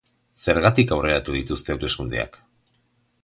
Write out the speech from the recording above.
Zergatik aurreratu dituzte hauteskundeak?